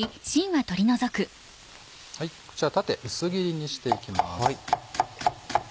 こちら縦薄切りにしていきます。